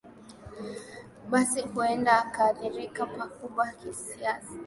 basi huenda akaadhirika pakubwa kisiasa